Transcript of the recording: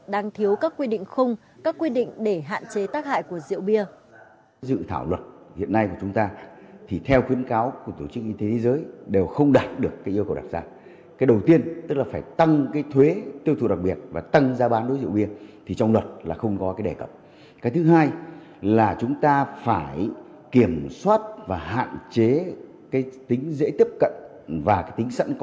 đang thiếu các quy định không các quy định để hạn chế tác hại của rượu bia